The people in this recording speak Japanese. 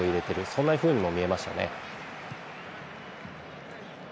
そんなふうにも見えましたね。